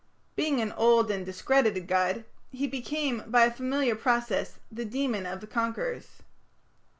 Being an old and discredited god, he became by a familiar process the demon of the conquerors.